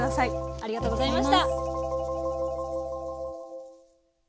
ありがとうございます。